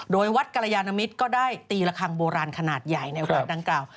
โดยวัดกรยานมิตรก็ได้ตีระคังโบราณขนาดใหญ่ในวัดดังกล่าว